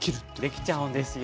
できちゃうんですよ。